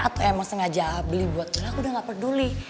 atau emang sengaja beli buat aku udah gak peduli